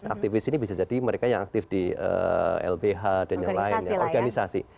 aktivis ini bisa jadi mereka yang aktif di lbh dan yang lain ya organisasi